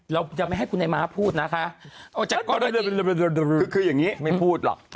เราจะไม่ให้คุณไอ้ม้าพูดนะคะออกจากกรณีคืออย่างนี้ไม่พูดหรอก